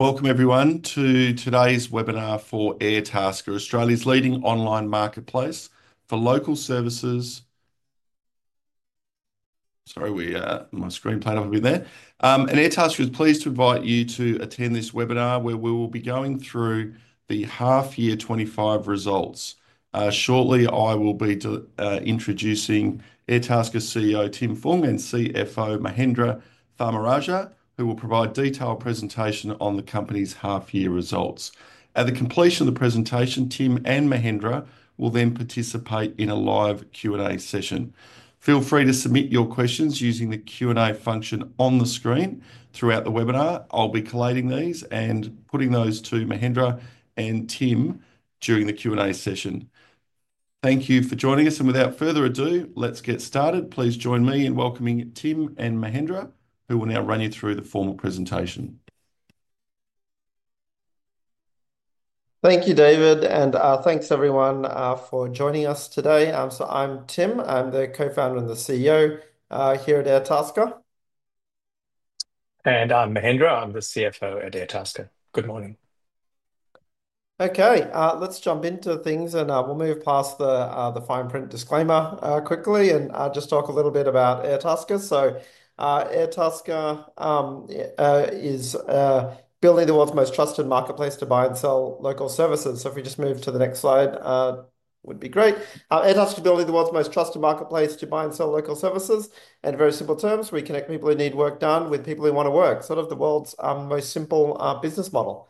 Welcome, everyone, to today's webinar for Airtasker, Australia's leading online marketplace for local services. Sorry, my screen played up a bit there. Airtasker is pleased to invite you to attend this webinar where we will be going through the half-year 2025 results. Shortly, I will be introducing Airtasker CEO Tim Fung and CFO Mahendra Tharmarajah, who will provide a detailed presentation on the company's half-year results. At the completion of the presentation, Tim and Mahendra will then participate in a live Q&A session. Feel free to submit your questions using the Q&A function on the screen throughout the webinar. I'll be collating these and putting those to Mahendra and Tim during the Q&A session. Thank you for joining us. Without further ado, let's get started. Please join me in welcoming Tim and Mahendra, who will now run you through the formal presentation. Thank you, David. Thanks, everyone, for joining us today. I'm Tim. I'm the co-founder and the CEO here at Airtasker. I'm Mahendra. I'm the CFO at Airtasker. Good morning. Okay, let's jump into things. We'll move past the fine print disclaimer quickly and just talk a little bit about Airtasker. Airtasker is building the world's most trusted marketplace to buy and sell local services. If we just move to the next slide, it would be great. Airtasker is building the world's most trusted marketplace to buy and sell local services. In very simple terms, we connect people who need work done with people who want to work, sort of the world's most simple business model.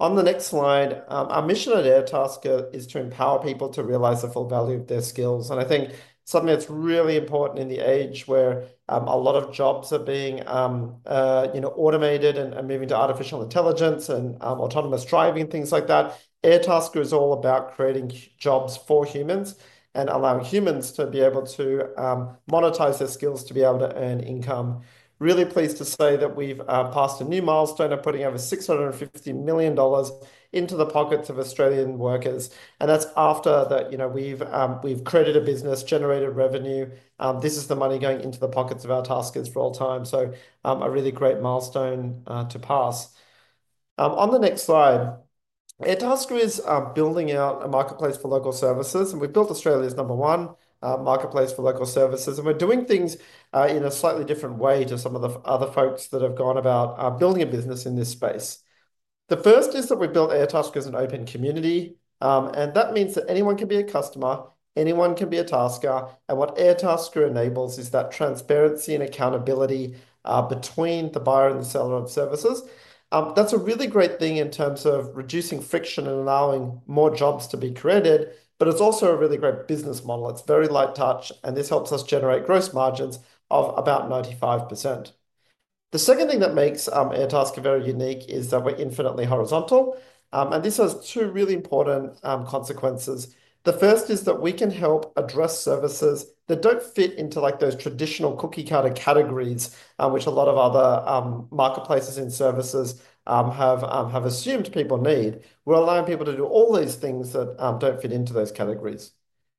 On the next slide, our mission at Airtasker is to empower people to realize the full value of their skills. I think something that's really important in the age where a lot of jobs are being automated and moving to artificial intelligence and autonomous driving and things like that, Airtasker is all about creating jobs for humans and allowing humans to be able to monetize their skills to be able to earn income. Really pleased to say that we've passed a new milestone of putting over 650 million dollars into the pockets of Australian workers. That's after we've created a business, generated revenue. This is the money going into the pockets of our taskers for all time. A really great milestone to pass. On the next slide, Airtasker is building out a marketplace for local services. We've built Australia's number one marketplace for local services. We are doing things in a slightly different way to some of the other folks that have gone about building a business in this space. The first is that we have built Airtasker as an open community. That means that anyone can be a customer, anyone can be a tasker. What Airtasker enables is that transparency and accountability between the buyer and the seller of services. That is a really great thing in terms of reducing friction and allowing more jobs to be created. It is also a really great business model. It is very light touch. This helps us generate gross margins of about 95%. The second thing that makes Airtasker very unique is that we are infinitely horizontal. This has two really important consequences. The first is that we can help address services that don't fit into those traditional cookie-cutter categories, which a lot of other marketplaces in services have assumed people need. We're allowing people to do all those things that don't fit into those categories.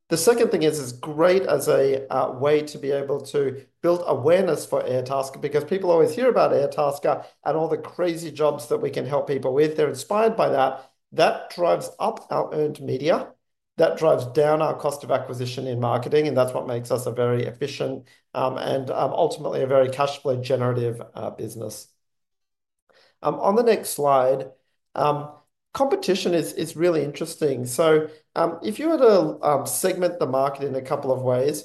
The second thing is as great as a way to be able to build awareness for Airtasker because people always hear about Airtasker and all the crazy jobs that we can help people with. They're inspired by that. That drives up our earned media. That drives down our cost of acquisition in marketing. That is what makes us a very efficient and ultimately a very cash flow generative business. On the next slide, competition is really interesting. If you were to segment the market in a couple of ways,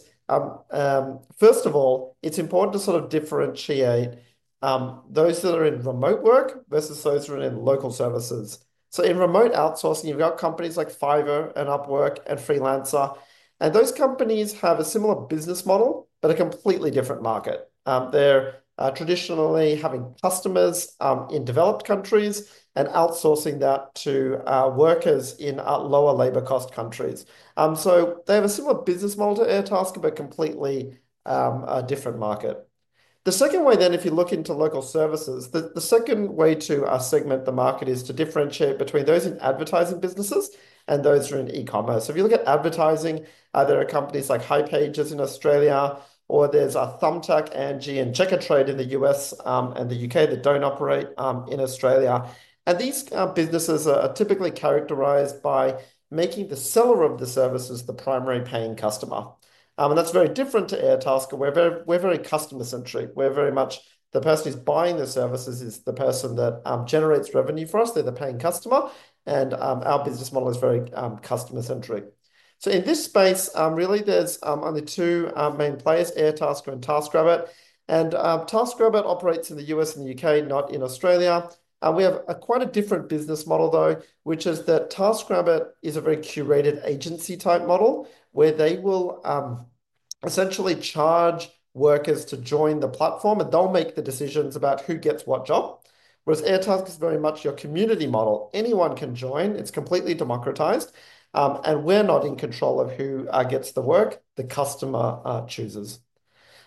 first of all, it's important to sort of differentiate those that are in remote work versus those who are in local services. In remote outsourcing, you've got companies like Fiverr and Upwork and Freelancer. Those companies have a similar business model, but a completely different market. They're traditionally having customers in developed countries and outsourcing that to workers in lower labor cost countries. They have a similar business model to Airtasker, but a completely different market. The second way then, if you look into local services, the second way to segment the market is to differentiate between those in advertising businesses and those who are in e-commerce. If you look at advertising, there are companies like hipages in Australia, or there's Thumbtack, Angi's, and Checkatrade in the U.S. and the U.K. that don't operate in Australia. These businesses are typically characterized by making the seller of the services the primary paying customer. That is very different to Airtasker. We're very customer-centric. We're very much the person who's buying the services is the person that generates revenue for us. They're the paying customer. Our business model is very customer-centric. In this space, really, there's only two main players: Airtasker and TaskRabbit. TaskRabbit operates in the U.S. and the U.K., not in Australia. We have quite a different business model, though, which is that TaskRabbit is a very curated agency-type model where they will essentially charge workers to join the platform. They'll make the decisions about who gets what job. Whereas Airtasker is very much your community model. Anyone can join. It's completely democratized. We're not in control of who gets the work. The customer chooses.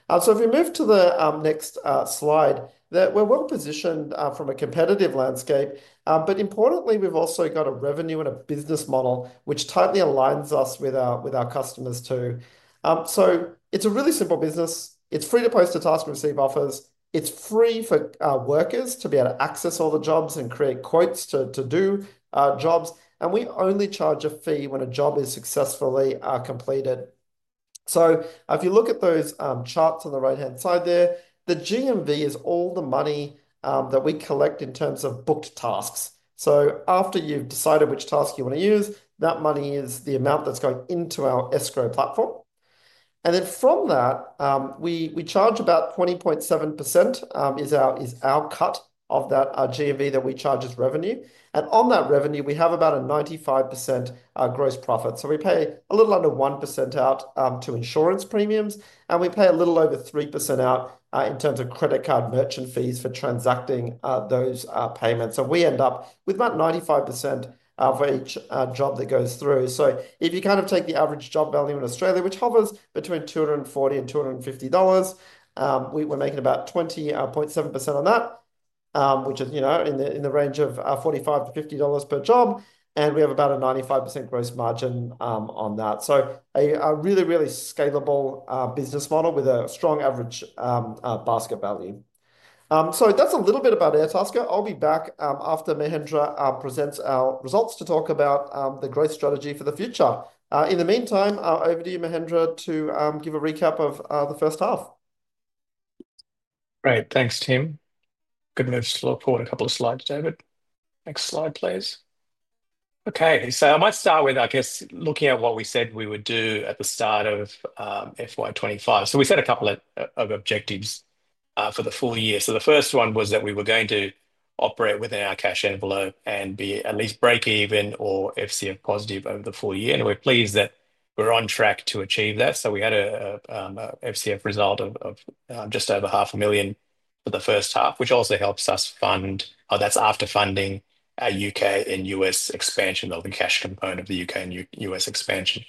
If we move to the next slide, we're well positioned from a competitive landscape. Importantly, we've also got a revenue and a business model which tightly aligns us with our customers too. It's a really simple business. It's free to post a task and receive offers. It's free for workers to be able to access all the jobs and create quotes to do jobs. We only charge a fee when a job is successfully completed. If you look at those charts on the right-hand side there, the GMV is all the money that we collect in terms of booked tasks. After you've decided which task you want to use, that money is the amount that's going into our escrow platform. From that, we charge about 20.7% as our cut of that GMV that we charge as revenue. On that revenue, we have about a 95% gross profit. We pay a little under 1% out to insurance premiums. We pay a little over 3% out in terms of credit card merchant fees for transacting those payments. We end up with about 95% for each job that goes through. If you kind of take the average job value in Australia, which hovers between 240-250 dollars, we're making about 20.7% on that, which is in the range of 45-50 dollars per job. We have about a 95% gross margin on that. A really, really scalable business model with a strong average basket value. That's a little bit about Airtasker. I'll be back after Mahendra presents our results to talk about the growth strategy for the future. In the meantime, over to you, Mahendra, to give a recap of the first half. Great. Thanks, Tim. Good moves to look forward a couple of slides, David. Next slide, please. Okay, I might start with, I guess, looking at what we said we would do at the start of FY 2025. We set a couple of objectives for the full year. The first one was that we were going to operate within our cash envelope and be at least break even or FCF positive over the full year. We're pleased that we're on track to achieve that. We had an FCF result of just over 500,000 for the first half, which also helps us fund, that's after funding U.K. and U.S. expansion, the cash component of the U.K. and U.S. expansion.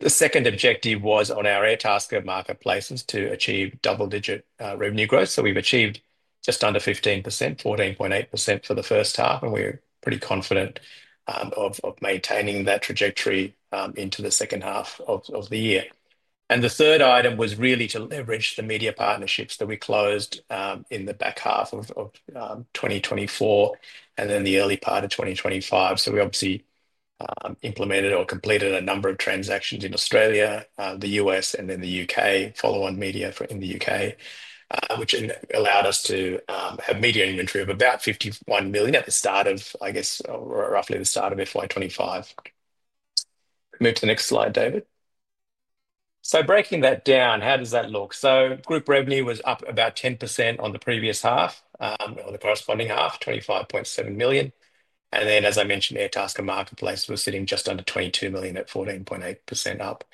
The second objective was on our Airtasker marketplaces to achieve double-digit revenue growth. We've achieved just under 15%, 14.8% for the first half. We are pretty confident of maintaining that trajectory into the second half of the year. The third item was really to leverage the media partnerships that we closed in the back half of 2024 and then the early part of 2025. We obviously implemented or completed a number of transactions in Australia, the U.S., and the U.K., follow-on media in the U.K., which allowed us to have media inventory of about 51 million at roughly the start of FY 2025. Move to the next slide, David. Breaking that down, how does that look? Group revenue was up about 10% on the previous half, on the corresponding half, 25.7 million. As I mentioned, Airtasker marketplace was sitting just under 22 million at 14.8% up.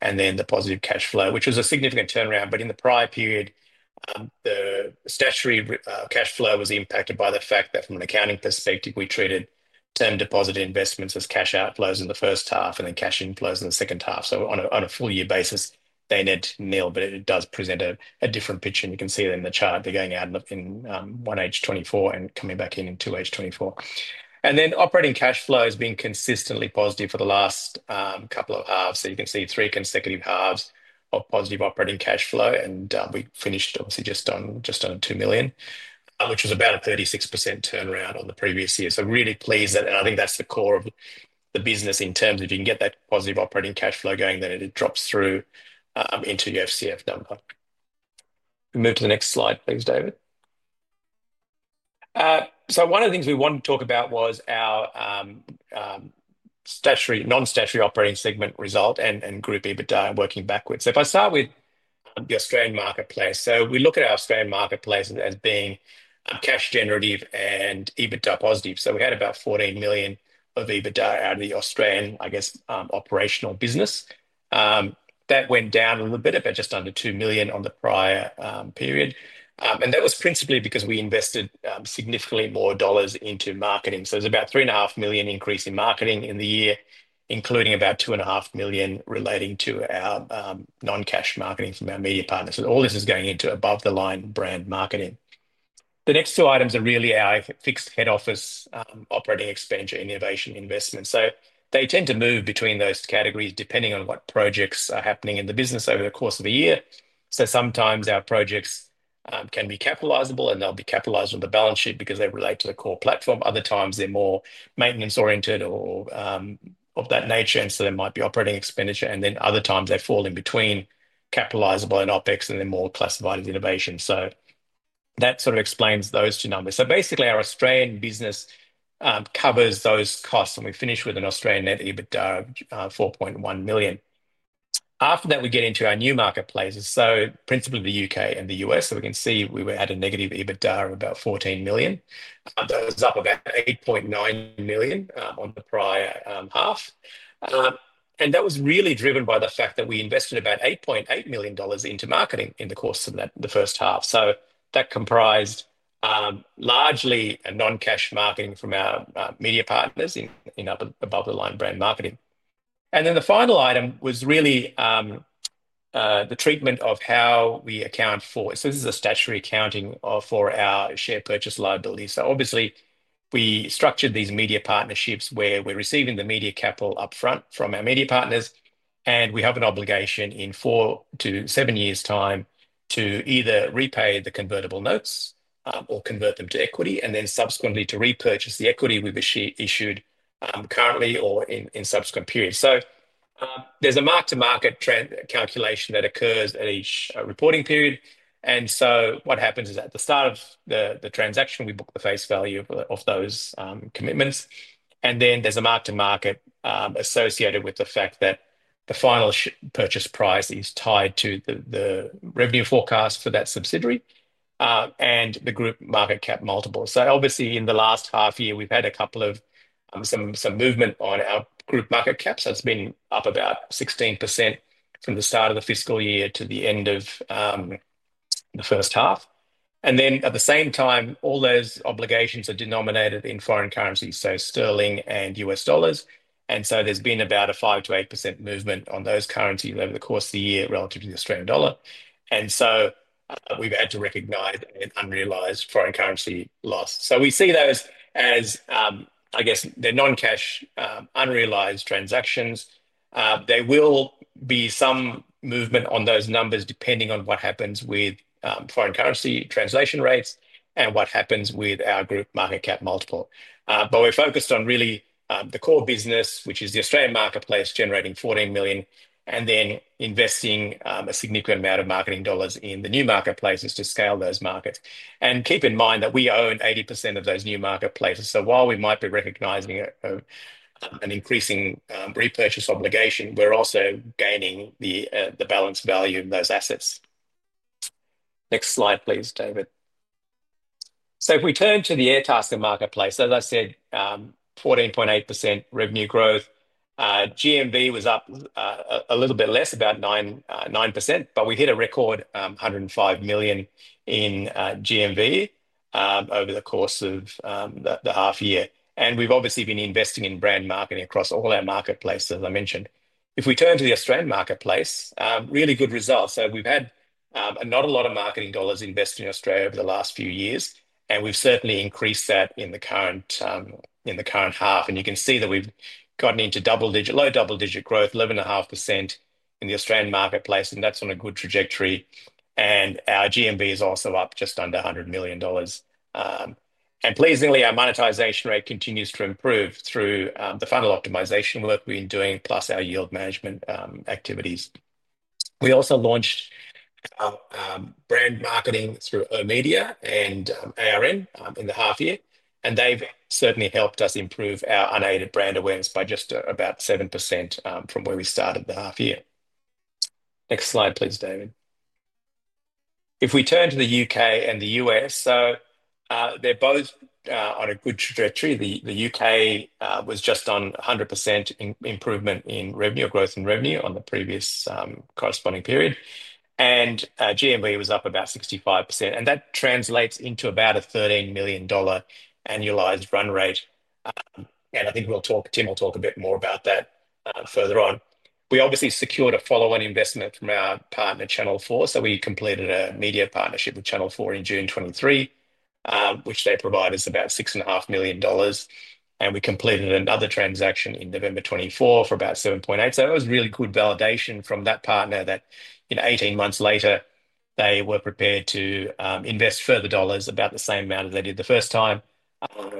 The positive cash flow, which was a significant turnaround. In the prior period, the statutory cash flow was impacted by the fact that from an accounting perspective, we treated term deposit investments as cash outflows in the first half and then cash inflows in the second half. On a full-year basis, they netted nil. It does present a different picture. You can see it in the chart. They are going out in 1H 2024 and coming back in in 2H 2024. Operating cash flow has been consistently positive for the last couple of halves. You can see three consecutive halves of positive operating cash flow. We finished, obviously, just on 2 million, which was about a 36% turnaround on the previous year. Really pleased. I think that's the core of the business in terms of if you can get that positive operating cash flow going, then it drops through into your FCF number. Move to the next slide, please, David. One of the things we wanted to talk about was our non-statutory operating segment result and group EBITDA working backwards. If I start with the Australian marketplace, we look at our Australian marketplace as being cash generative and EBITDA positive. We had about 14 million of EBITDA out of the Australian, I guess, operational business. That went down a little bit, about just under 2 million on the prior period. That was principally because we invested significantly more dollars into marketing. There's about 3.5 million increase in marketing in the year, including about 2.5 million relating to our non-cash marketing from our media partners. All this is going into above-the-line brand marketing. The next two items are really our fixed head office operating expenditure innovation investments. They tend to move between those categories depending on what projects are happening in the business over the course of a year. Sometimes our projects can be capitalizable, and they'll be capitalized on the balance sheet because they relate to the core platform. Other times, they're more maintenance-oriented or of that nature, and so there might be operating expenditure. Other times, they fall in between capitalizable and OpEx, and they're more classified as innovation. That sort of explains those two numbers. Basically, our Australian business covers those costs. We finish with an Australian net EBITDA of 4.1 million. After that, we get into our new marketplaces, principally the U.K. and the U.S. We can see we were at a negative EBITDA of about 14 million. That was up about 8.9 million on the prior half. That was really driven by the fact that we invested about 8.8 million dollars into marketing in the course of the first half. That comprised largely non-cash marketing from our media partners in above-the-line brand marketing. The final item was really the treatment of how we account for, so this is a statutory accounting for our share purchase liability. Obviously, we structured these media partnerships where we're receiving the media capital upfront from our media partners. We have an obligation in four to seven years' time to either repay the convertible notes or convert them to equity and then subsequently to repurchase the equity we've issued currently or in subsequent periods. There's a mark-to-market calculation that occurs at each reporting period. What happens is at the start of the transaction, we book the face value of those commitments. Then there's a mark-to-market associated with the fact that the final purchase price is tied to the revenue forecast for that subsidiary and the group market cap multiple. Obviously, in the last half year, we've had a couple of some movement on our group market caps. That's been up about 16% from the start of the fiscal year to the end of the first half. At the same time, all those obligations are denominated in foreign currency, so sterling and U.S. dollars. There's been about a 5%-8% movement on those currencies over the course of the year relative to the Australian dollar. We have had to recognize an unrealized foreign currency loss. We see those as, I guess, they're non-cash unrealized transactions. There will be some movement on those numbers depending on what happens with foreign currency translation rates and what happens with our group market cap multiple. We are focused on really the core business, which is the Australian marketplace generating 14 million and then investing a significant amount of marketing dollars in the new marketplaces to scale those markets. Keep in mind that we own 80% of those new marketplaces. While we might be recognizing an increasing repurchase obligation, we are also gaining the balance value of those assets. Next slide, please, David. If we turn to the Airtasker marketplace, as I said, 14.8% revenue growth. GMV was up a little bit less, about 9%. We hit a record 105 million in GMV over the course of the half year. We've obviously been investing in brand marketing across all our marketplaces, as I mentioned. If we turn to the Australian marketplace, really good results. We've had not a lot of marketing dollars invested in Australia over the last few years. We've certainly increased that in the current half. You can see that we've gotten into low double-digit growth, 11.5% in the Australian marketplace. That's on a good trajectory. Our GMV is also up just under 100 million dollars. Pleasingly, our monetization rate continues to improve through the funnel optimization work we've been doing, plus our yield management activities. We also launched brand marketing through oOh!media and ARN in the half year. They've certainly helped us improve our unaided brand awareness by just about 7% from where we started the half year. Next slide, please, David. If we turn to the U.K. and the U.S., they're both on a good trajectory. The U.K. was just on 100% improvement in revenue or growth in revenue on the previous corresponding period. GMV was up about 65%. That translates into about an 13 million dollar annualized run rate. I think Tim will talk a bit more about that further on. We obviously secured a follow-on investment from our partner, Channel 4. We completed a media partnership with Channel 4 in June 2023, which provided us about 6.5 million dollars. We completed another transaction in November 2024 for about 7.8 million. That was really good validation from that partner that in 18 months later, they were prepared to invest further dollars, about the same amount as they did the first time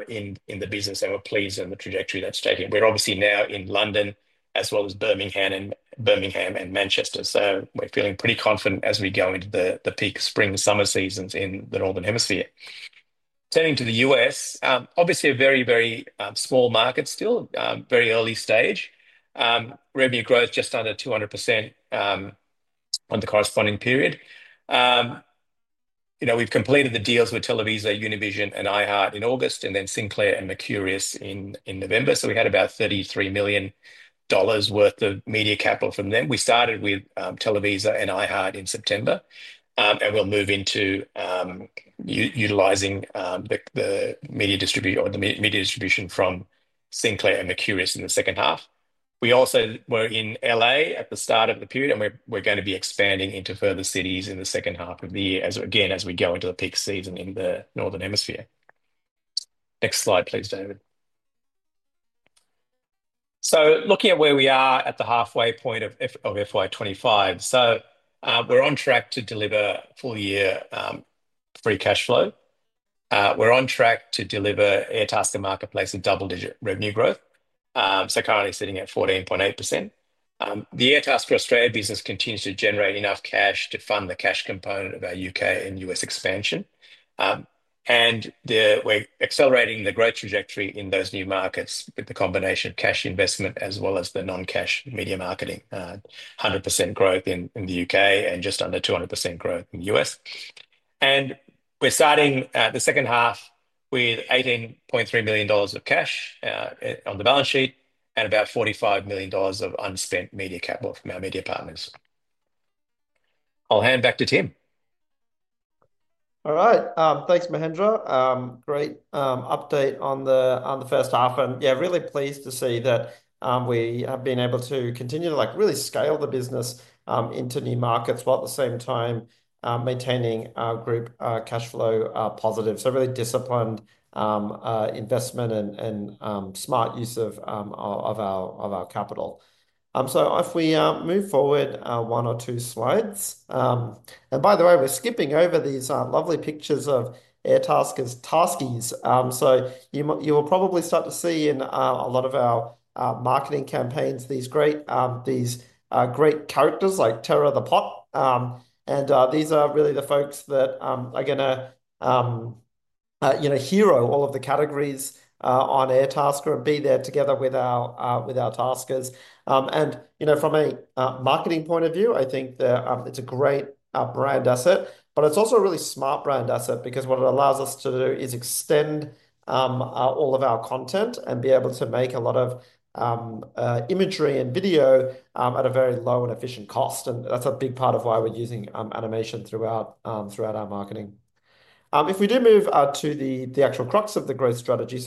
in the business. They were pleased on the trajectory that's taken. We're obviously now in London as well as Birmingham and Manchester. We're feeling pretty confident as we go into the peak spring and summer seasons in the northern hemisphere. Turning to the U.S., obviously a very, very small market still, very early stage. Revenue growth just under 200% on the corresponding period. We've completed the deals with TelevisaUnivision and iHeartMedia in August, and then Sinclair and Mercurius in November. We had about 33 million dollars worth of media capital from them. We started with Televisa and iHeart in September. We'll move into utilizing the media distribution from Sinclair and Mercurius in the second half. We also were in L.A. at the start of the period. We're going to be expanding into further cities in the second half of the year, again as we go into the peak season in the northern hemisphere. Next slide, please, David. Looking at where we are at the halfway point of FY 2025, we're on track to deliver full-year free cash flow. We're on track to deliver Airtasker marketplace double-digit revenue growth, currently sitting at 14.8%. The Airtasker Australia business continues to generate enough cash to fund the cash component of our U.K. and U.S. expansion. We're accelerating the growth trajectory in those new markets with the combination of cash investment as well as non-cash media marketing, 100% growth in the U.K. and just under 200% growth in the U.S. We're starting the second half with 18.3 million dollars of cash on the balance sheet and about 45 million dollars of unspent media capital from our media partners. I'll hand back to Tim. All right. Thanks, Mahendra. Great update on the first half. Yeah, really pleased to see that we have been able to continue to really scale the business into new markets while at the same time maintaining our group cash flow positive. Really disciplined investment and smart use of our capital. If we move forward one or two slides. By the way, we're skipping over these lovely pictures of Airtasker taskis. You will probably start to see in a lot of our marketing campaigns these great characters like Tara the Pot. These are really the folks that are going to hero all of the categories on Airtasker and be there together with our Taskers. From a marketing point of view, I think it's a great brand asset. It's also a really smart brand asset because what it allows us to do is extend all of our content and be able to make a lot of imagery and video at a very low and efficient cost. That's a big part of why we're using animation throughout our marketing. If we do move to the actual crux of the growth strategy,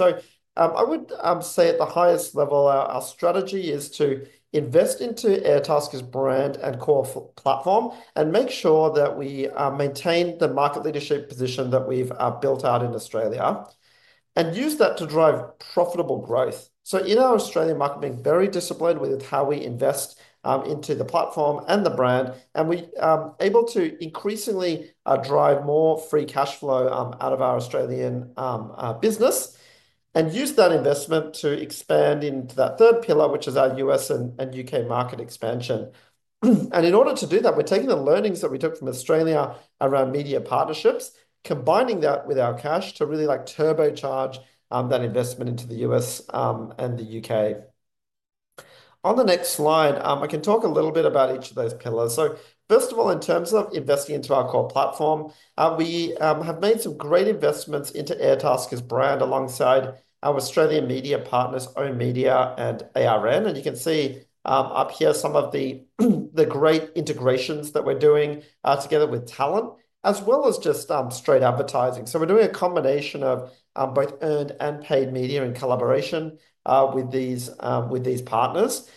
I would say at the highest level, our strategy is to invest into Airtasker's brand and core platform and make sure that we maintain the market leadership position that we've built out in Australia and use that to drive profitable growth. In our Australian market, being very disciplined with how we invest into the platform and the brand, we are able to increasingly drive more free cash flow out of our Australian business and use that investment to expand into that third pillar, which is our U.S. and U.K. market expansion. In order to do that, we're taking the learnings that we took from Australia around media partnerships, combining that with our cash to really turbocharge that investment into the U.S. and the U.K. On the next slide, I can talk a little bit about each of those pillars. First of all, in terms of investing into our core platform, we have made some great investments into Airtasker's brand alongside our Australian media partners, oOh!media and ARN. You can see up here some of the great integrations that we're doing together with Talent, as well as just straight advertising. We're doing a combination of both earned and paid media in collaboration with these partners.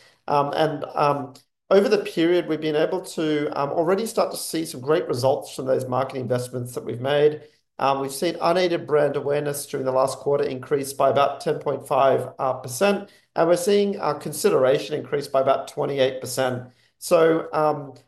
Over the period, we've been able to already start to see some great results from those market investments that we've made. We've seen unaided brand awareness during the last quarter increase by about 10.5%. We're seeing consideration increase by about 28%.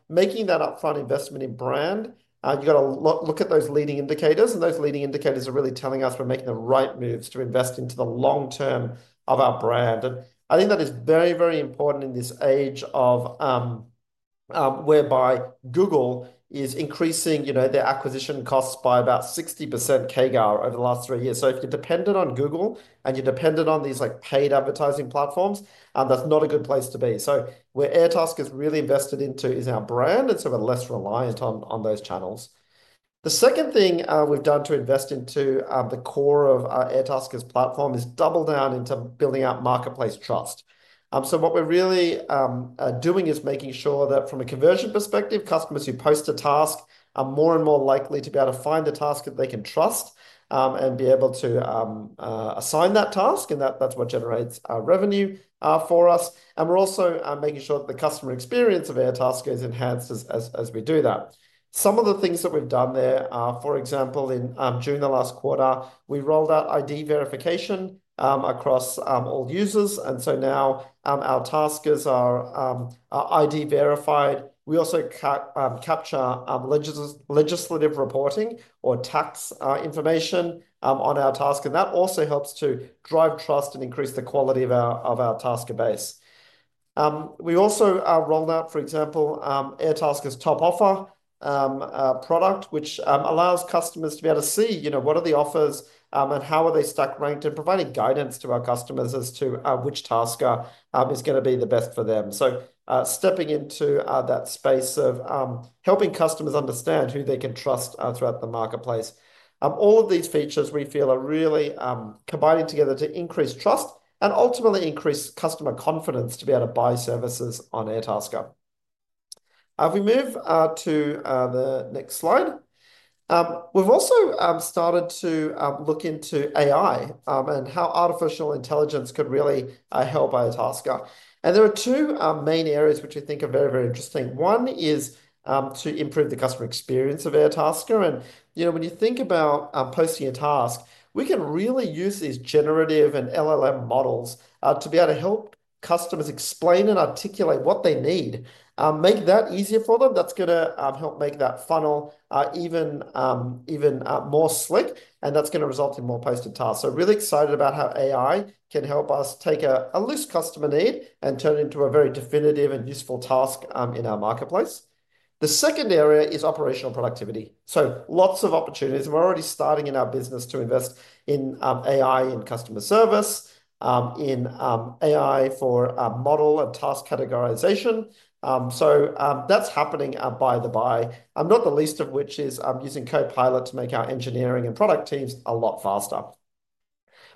Making that upfront investment in brand, you've got to look at those leading indicators. Those leading indicators are really telling us we're making the right moves to invest into the long term of our brand. I think that is very, very important in this age whereby Google is increasing their acquisition costs by about 60% CAGR over the last three years. If you're dependent on Google and you're dependent on these paid advertising platforms, that's not a good place to be. Where Airtasker is really invested into is our brand. It's sort of less reliant on those channels. The second thing we've done to invest into the core of Airtasker's platform is double down into building out marketplace trust. What we're really doing is making sure that from a conversion perspective, customers who post a task are more and more likely to be able to find a task that they can trust and be able to assign that task. That's what generates revenue for us. We're also making sure that the customer experience of Airtasker is enhanced as we do that. Some of the things that we've done there, for example, in June the last quarter, we rolled out ID verification across all users. Now our taskers are ID verified. We also capture legislative reporting or tax information on our task. That also helps to drive trust and increase the quality of our tasker base. We also rolled out, for example, Airtasker Top Offer product, which allows customers to be able to see what are the offers and how are they stack ranked and providing guidance to our customers as to which tasker is going to be the best for them. Stepping into that space of helping customers understand who they can trust throughout the marketplace. All of these features we feel are really combining together to increase trust and ultimately increase customer confidence to be able to buy services on Airtasker. If we move to the next slide, we've also started to look into AI and how artificial intelligence could really help Airtasker. There are two main areas which we think are very, very interesting. One is to improve the customer experience of Airtasker. When you think about posting a task, we can really use these generative and LLM models to be able to help customers explain and articulate what they need, make that easier for them. That is going to help make that funnel even more slick. That is going to result in more posted tasks. Really excited about how AI can help us take a loose customer need and turn it into a very definitive and useful task in our marketplace. The second area is operational productivity. Lots of opportunities. We're already starting in our business to invest in AI in customer service, in AI for model and task categorization. That's happening by the by, not the least of which is using Copilot to make our engineering and product teams a lot faster.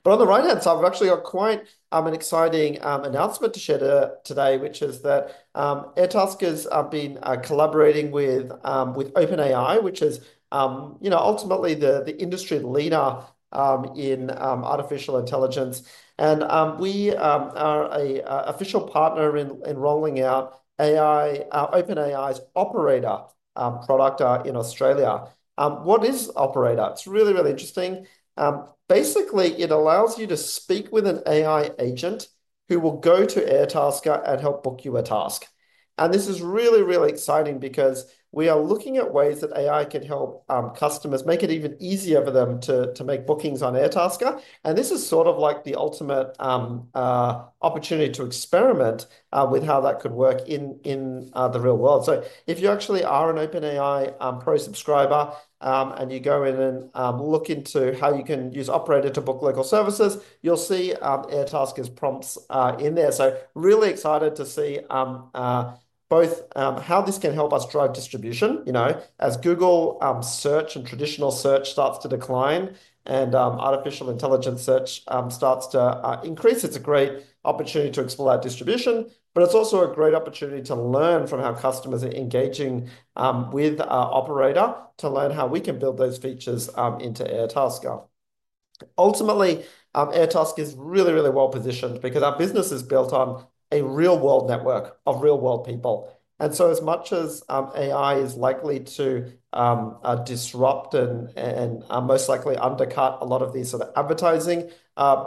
On the right-hand side, we've actually got quite an exciting announcement to share today, which is that Airtasker has been collaborating with OpenAI, which is ultimately the industry leader in artificial intelligence. We are an official partner in rolling out OpenAI's Operator product in Australia. What is Operator? It's really, really interesting. Basically, it allows you to speak with an AI agent who will go to Airtasker and help book you a task. This is really, really exciting because we are looking at ways that AI can help customers make it even easier for them to make bookings on Airtasker. This is sort of like the ultimate opportunity to experiment with how that could work in the real world. If you actually are an OpenAI Pro subscriber and you go in and look into how you can use Operator to book local services, you'll see Airtasker's prompts in there. Really excited to see both how this can help us drive distribution. As Google Search and traditional search starts to decline and artificial intelligence search starts to increase, it's a great opportunity to explore that distribution. It's also a great opportunity to learn from how customers are engaging with Operator to learn how we can build those features into Airtasker. Ultimately, Airtasker is really, really well positioned because our business is built on a real-world network of real-world people. As much as AI is likely to disrupt and most likely undercut a lot of these sort of advertising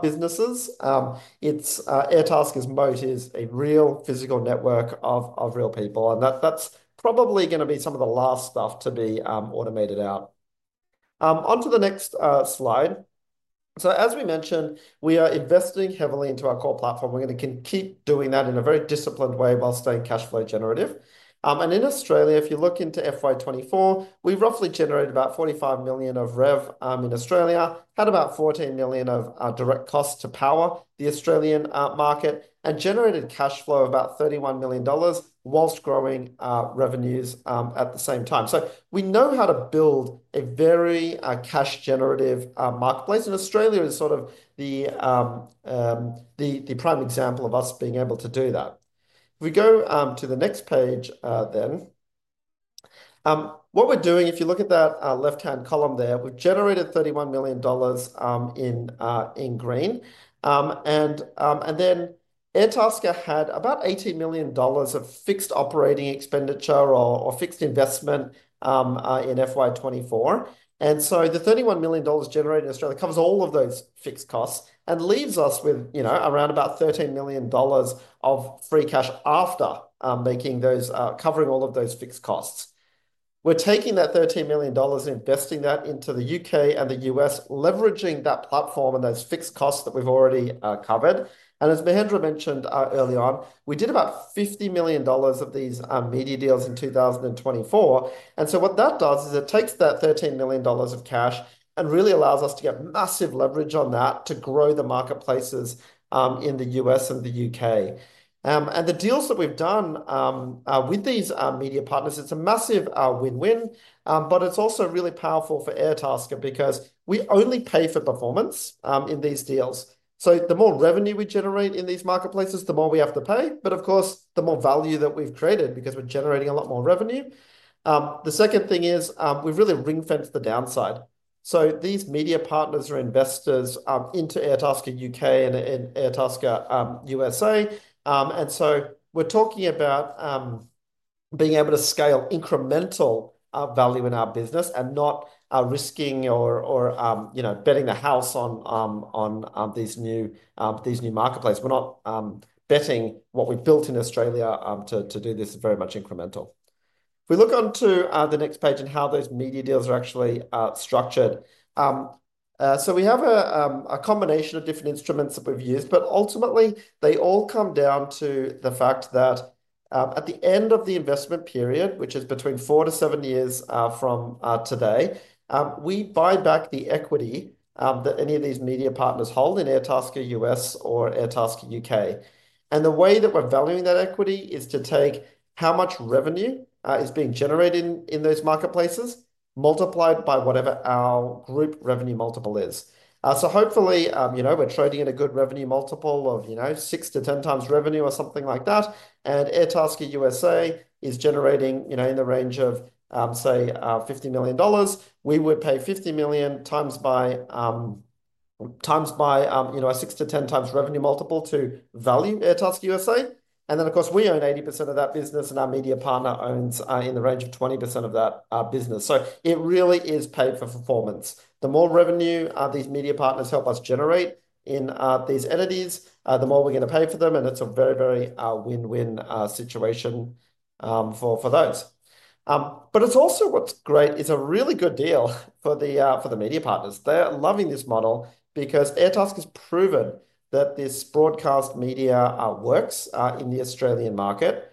businesses, Airtasker's moat is a real physical network of real people. That's probably going to be some of the last stuff to be automated out. On to the next slide. As we mentioned, we are investing heavily into our core platform. We're going to keep doing that in a very disciplined way while staying cash flow generative. In Australia, if you look into FY 2024, we roughly generated about 45 million of rev in Australia, had about 14 million of direct costs to power the Australian market, and generated cash flow of about 31 million dollars whilst growing revenues at the same time. We know how to build a very cash-generative marketplace. Australia is sort of the prime example of us being able to do that. If we go to the next page then, what we're doing, if you look at that left-hand column there, we've generated 31 million dollars in green. Airtasker had about 18 million dollars of fixed operating expenditure or fixed investment in FY 2024. The 31 million dollars generated in Australia covers all of those fixed costs and leaves us with around about 13 million dollars of free cash after covering all of those fixed costs. We're taking that 13 million dollars and investing that into the U.K. and the U.S., leveraging that platform and those fixed costs that we've already covered. As Mahendra mentioned early on, we did about 50 million dollars of these media deals in 2024. What that does is it takes that 13 million dollars of cash and really allows us to get massive leverage on that to grow the marketplaces in the U.S. and the U.K. The deals that we've done with these media partners, it's a massive win-win. It's also really powerful for Airtasker, because we only pay for performance in these deals. The more revenue we generate in these marketplaces, the more we have to pay. Of course, the more value that we've created because we're generating a lot more revenue. The second thing is we've really ring-fenced the downside. These media partners are investors into Airtasker U.K. and Airtasker U.S.A. We're talking about being able to scale incremental value in our business and not risking or betting the house on these new marketplaces. We're not betting what we've built in Australia to do this very much incremental. If we look on to the next page and how those media deals are actually structured, we have a combination of different instruments that we've used, but ultimately, they all come down to the fact that at the end of the investment period, which is between four to seven years from today, we buy back the equity that any of these media partners hold in Airtasker U.S. or Airtasker U.K. The way that we're valuing that equity is to take how much revenue is being generated in those marketplaces multiplied by whatever our group revenue multiple is. Hopefully, we're trading at a good revenue multiple of 6x-10x revenue or something like that. Airtasker U.S.A. is generating in the range of, say, 50 million dollars. We would pay 50 million times by a 6x-10x revenue multiple to value Airtasker U.S.A. Of course, we own 80% of that business, and our media partner owns in the range of 20% of that business. It really is paid for performance. The more revenue these media partners help us generate in these entities, the more we're going to pay for them. It is a very, very win-win situation for those. What is also great is a really good deal for the media partners. They're loving this model because Airtasker has proven that this broadcast media works in the Australian market.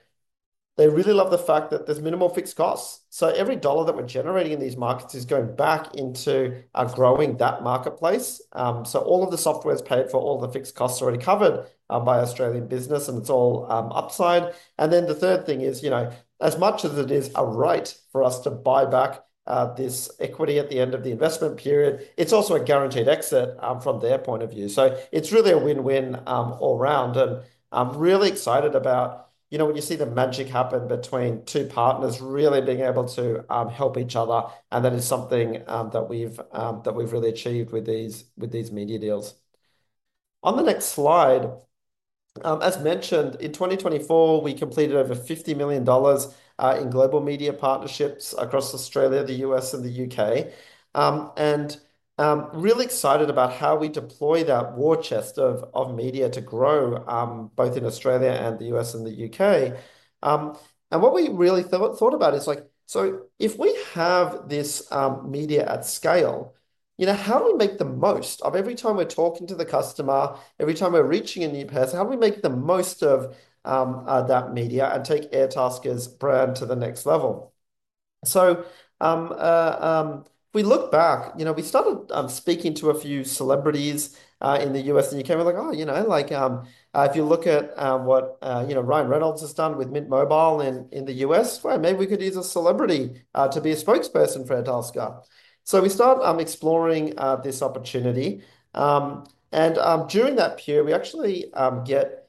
They really love the fact that there's minimal fixed costs. Every dollar that we're generating in these markets is going back into growing that marketplace. All of the software is paid for. All the fixed costs are already covered by Australian business, and it's all upside. The third thing is, as much as it is a right for us to buy back this equity at the end of the investment period, it's also a guaranteed exit from their point of view. It is really a win-win all around. I'm really excited about when you see the magic happen between two partners really being able to help each other. That is something that we've really achieved with these media deals. On the next slide, as mentioned, in 2024, we completed over $50 million in global media partnerships across Australia, the U.S., and the U.K. I'm really excited about how we deploy that war chest of media to grow both in Australia and the U.S. and the U.K. What we really thought about is, if we have this media at scale, how do we make the most of every time we're talking to the customer, every time we're reaching a new person, how do we make the most of that media and take Airtasker's brand to the next level? If we look back, we started speaking to a few celebrities in the U.S. and the U.K. We're like, "Oh, if you look at what Ryan Reynolds has done with Mint Mobile in the U.S., maybe we could use a celebrity to be a spokesperson for Airtasker." We start exploring this opportunity. During that period, we actually get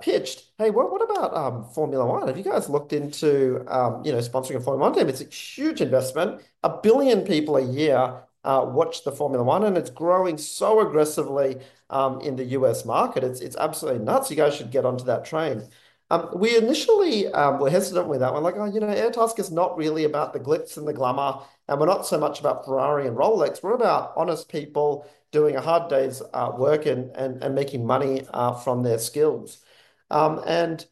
pitched, "Hey, what about Formula One? Have you guys looked into sponsoring a Formula One team? It's a huge investment. A billion people a year watch the Formula One, and it's growing so aggressively in the U.S. market. It's absolutely nuts. You guys should get onto that train." We initially were hesitant with that. We're like, "Oh, Airtasker is not really about the glitz and the glamour. We're not so much about Ferrari and Rolex. We're about honest people doing a hard day's work and making money from their skills." We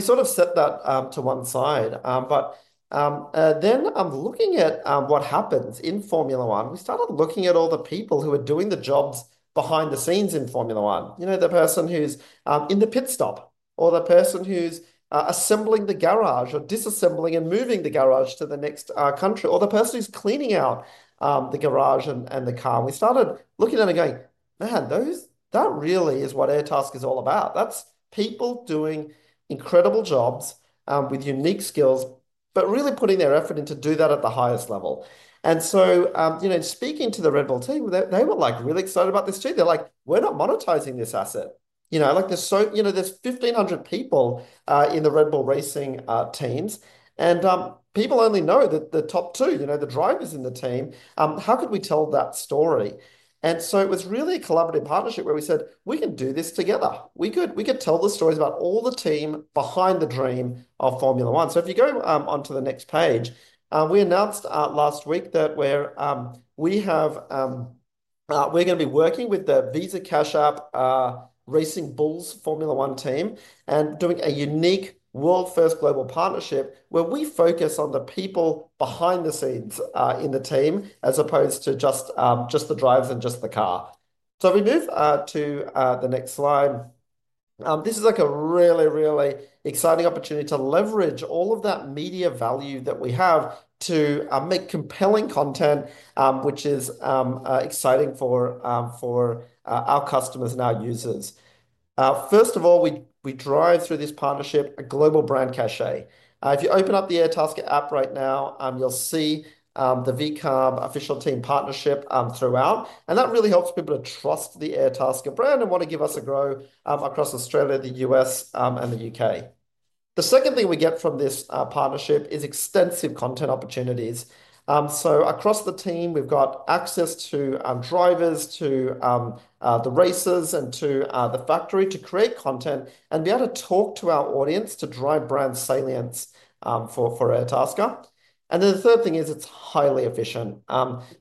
sort of set that to one side. Looking at what happens in Formula One, we started looking at all the people who are doing the jobs behind the scenes in Formula One, the person who's in the pit stop or the person who's assembling the garage or disassembling and moving the garage to the next country or the person who's cleaning out the garage and the car. We started looking at it and going, "Man, that really is what Airtasker is all about. That's people doing incredible jobs with unique skills, but really putting their effort into doing that at the highest level." Speaking to the Red Bull team, they were really excited about this too. They're like, "We're not monetizing this asset. There are 1,500 people in the Red Bull Racing teams. People only know the top two, the drivers in the team, how could we tell that story?" It was really a collaborative partnership where we said, "We can do this together. We could tell the stories about all the team behind the dream of Formula One. If you go on to the next page, we announced last week that we're going to be working with the Visa Cash App Racing Bulls Formula One team and doing a unique world-first global partnership where we focus on the people behind the scenes in the team as opposed to just the drivers and just the car. If we move to the next slide, this is a really, really exciting opportunity to leverage all of that media value that we have to make compelling content, which is exciting for our customers and our users. First of all, we drive through this partnership a global brand cachet. If you open up the Airtasker app right now, you'll see the VCARB official team partnership throughout. That really helps people to trust the Airtasker brand and want to give us a go across Australia, the U.S., and the U.K. The second thing we get from this partnership is extensive content opportunities. Across the team, we've got access to drivers, to the racers, and to the factory to create content and be able to talk to our audience to drive brand salience for Airtasker. The third thing is it's highly efficient.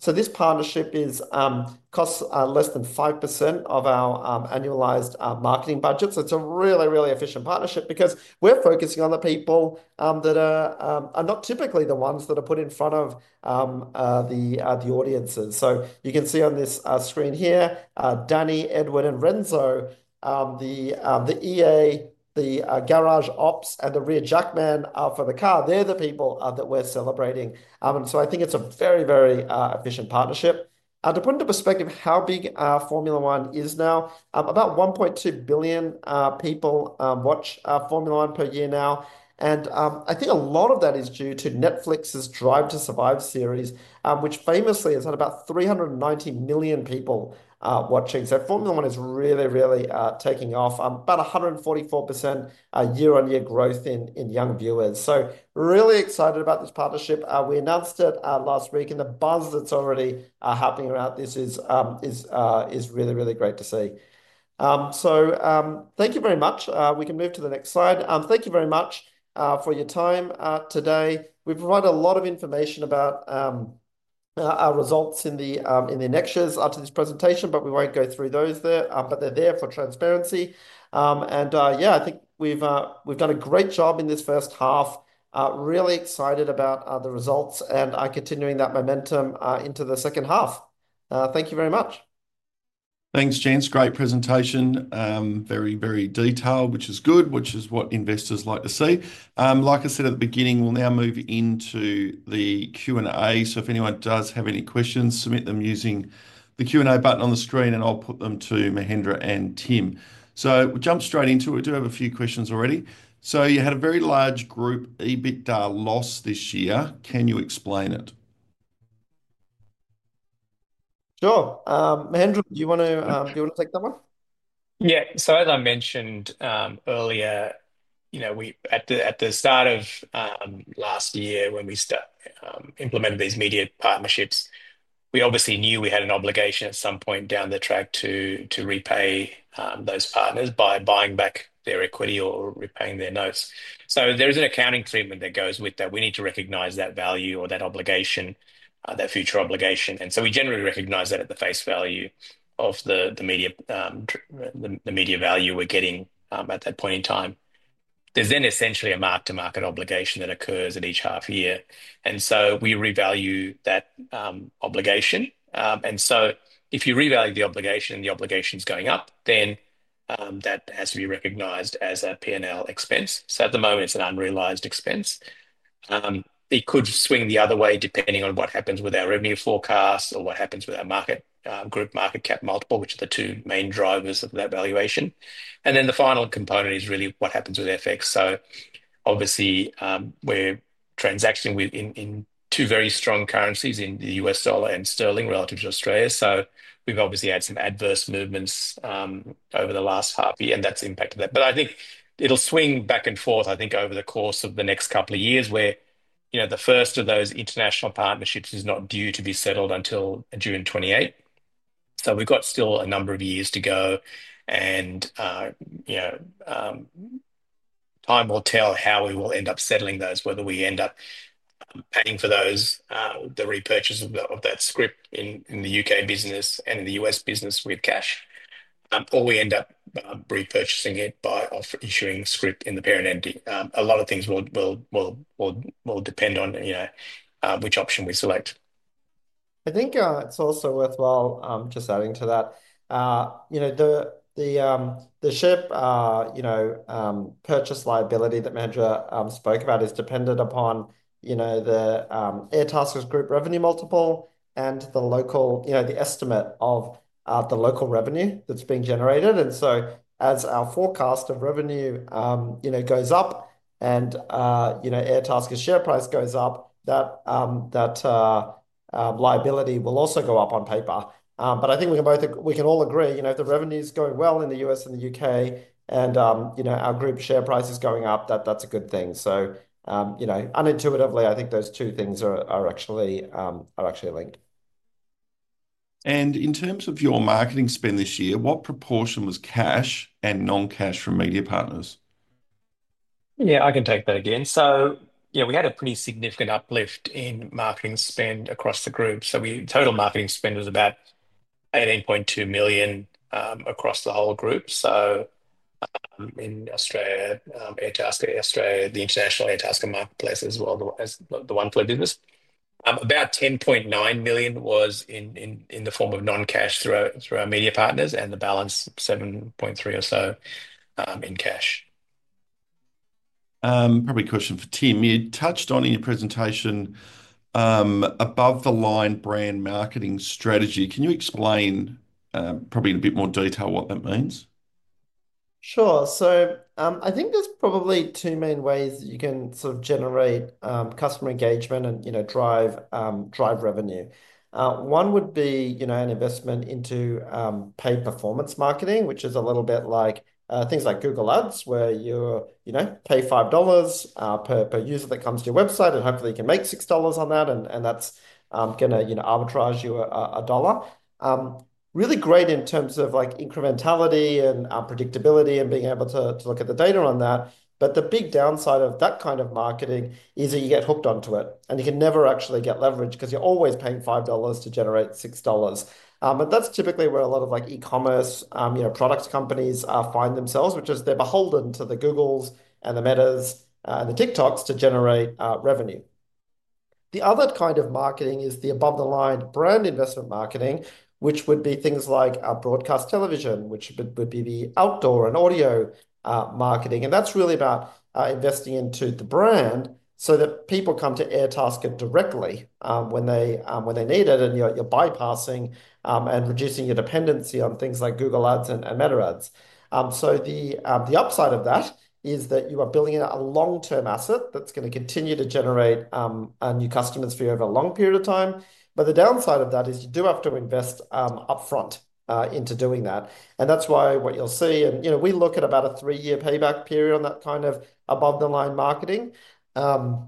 This partnership costs less than 5% of our annualized marketing budget. It's a really, really efficient partnership because we're focusing on the people that are not typically the ones that are put in front of the audiences. You can see on this screen here, Danny, Edward, and Renzo, the EA, the garage ops, and the rear jackman for the car. They're the people that we're celebrating. I think it's a very, very efficient partnership. To put into perspective how big Formula One is now, about 1.2 billion people watch Formula One per year now. I think a lot of that is due to Netflix's Drive to Survive series, which famously has had about 390 million people watching. Formula One is really, really taking off. About 144% year-on-year growth in young viewers. Really excited about this partnership. We announced it last week. The buzz that's already happening around this is really, really great to see. Thank you very much. We can move to the next slide. Thank you very much for your time today. We provide a lot of information about our results in the next years after this presentation, but we won't go through those there. They're there for transparency. Yeah, I think we've done a great job in this first half. Really excited about the results and continuing that momentum into the second half. Thank you very much. Thanks, James. Great presentation. Very, very detailed, which is good, which is what investors like to see. Like I said at the beginning, we'll now move into the Q&A. If anyone does have any questions, submit them using the Q&A button on the screen, and I'll put them to Mahendra and Tim. We'll jump straight into it. We do have a few questions already. You had a very large group EBITDA loss this year. Can you explain it? Sure. Mahendra, do you want to take that one? Yeah. As I mentioned earlier, at the start of last year, when we implemented these media partnerships, we obviously knew we had an obligation at some point down the track to repay those partners by buying back their equity or repaying their notes. There is an accounting treatment that goes with that. We need to recognize that value or that obligation, that future obligation. We generally recognize that at the face value of the media value we're getting at that point in time. There's then essentially a mark-to-market obligation that occurs at each half year. We revalue that obligation. If you revalue the obligation and the obligation's going up, then that has to be recognized as a P&L expense. At the moment, it's an unrealized expense. It could swing the other way depending on what happens with our revenue forecast or what happens with our market group market cap multiple, which are the two main drivers of that valuation. The final component is really what happens with FX. Obviously, we're transacting in two very strong currencies, in the U.S. dollar and sterling relative to Australia. We've obviously had some adverse movements over the last half year, and that's impacted that. I think it'll swing back and forth, I think, over the course of the next couple of years where the first of those international partnerships is not due to be settled until June 28th. We've got still a number of years to go. Time will tell how we will end up settling those, whether we end up paying for those, the repurchase of that script in the U.K. business and in the U.S. business with cash, or we end up repurchasing it by issuing script in the parent entity. A lot of things will depend on which option we select. I think it's also worthwhile just adding to that. The share purchase liability that Mahendra spoke about is dependent upon the Airtasker share price revenue multiple and the estimate of the local revenue that's being generated. As our forecast of revenue goes up and Airtasker share price goes up, that liability will also go up on paper. I think we can all agree, if the revenue's going well in the U.S. and the U.K. and our group share price is going up, that's a good thing. Unintuitively, I think those two things are actually linked. In terms of your marketing spend this year, what proportion was cash and non-cash from media partners? Yeah, I can take that again. We had a pretty significant uplift in marketing spend across the group. Total marketing spend was about 18.2 million across the whole group. In Australia, Airtasker eStray, the international Airtasker marketplace, as well as the Oneflare business, about 10.9 million was in the form of non-cash through our media partners, and the balance, 7.3 million or so in cash. Probably a question for Tim. You touched on in your presentation above-the-line brand marketing strategy. Can you explain probably in a bit more detail what that means? Sure. I think there are probably two main ways you can sort of generate customer engagement and drive revenue. One would be an investment into paid performance marketing, which is a little bit like things like Google Ads, where you pay 5 dollars per user that comes to your website, and hopefully, you can make 6 dollars on that, and that's going to arbitrage you a dollar. Really great in terms of incrementality and predictability and being able to look at the data on that. The big downside of that kind of marketing is that you get hooked onto it, and you can never actually get leverage because you're always paying 5 dollars to generate 6 dollars. That's typically where a lot of e-commerce products companies find themselves, which is they're beholden to the Googles and the Metas and the TikToks to generate revenue. The other kind of marketing is the above-the-line brand investment marketing, which would be things like broadcast television, which would be the outdoor and audio marketing. That is really about investing into the brand so that people come to Airtasker directly when they need it, and you're bypassing and reducing your dependency on things like Google Ads and Meta Ads. The upside of that is that you are building a long-term asset that's going to continue to generate new customers for you over a long period of time. The downside of that is you do have to invest upfront into doing that. That is why what you'll see and we look at about a three-year payback period on that kind of above-the-line marketing. The